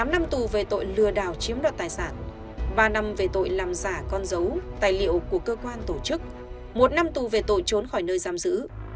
tám năm tù về tội lừa đảo chiếm đoạt tài sản ba năm về tội làm giả con dấu tài liệu của cơ quan tổ chức một năm tù về tội trốn khỏi nơi giam giữ